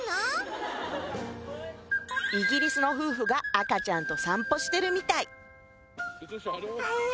イギリスの夫婦が赤ちゃんと散歩してるみたいあー！